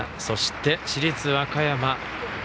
そして、市立和歌山。